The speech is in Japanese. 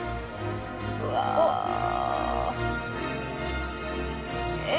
うわ。おっ。